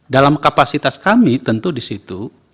dalam kapasitas kami tentu di situ